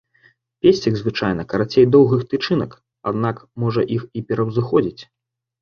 Песцік звычайна карацей доўгіх тычынак, аднак можа іх і пераўзыходзіць.